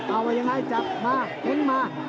เอาว่ายังไงจับมาเค้นมา